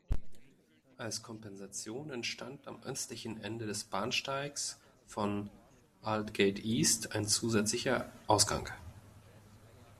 Als Kompensation entstand am östlichen Ende des Bahnsteigs von Aldgate East ein zusätzlicher Ausgang.